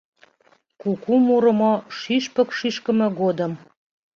Куку мурымо, шӱшпык шӱшкымӧ годым